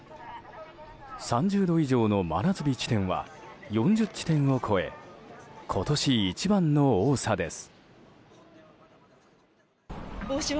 ３０度以上の真夏日地点は４０地点を超え今年一番の多さです。